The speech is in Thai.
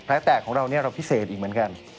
แตกของเราเนี่ยเราพิเศษอีกเหมือนกัน